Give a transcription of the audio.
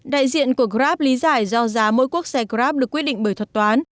đại diện của grab lý giải do giá mỗi quốc xe grab được quyết định bởi thuật toán